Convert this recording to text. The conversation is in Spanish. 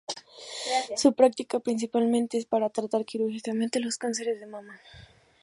Se practica principalmente para tratar quirúrgicamente los cánceres de mama.